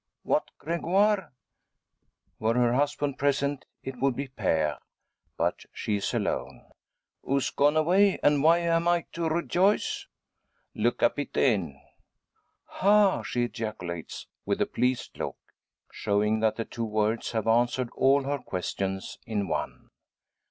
"What, Gregoire?" were her husband present it would be "Pere;" but she is alone "Who's gone away? And why am I to rejoice?" "Le Capitaine." "Ha!" she ejaculates, with a pleased look, showing that the two words have answered all her questions in one.